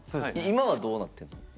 今はどうなってんの？